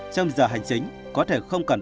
trong giờ hành chính có thể không cần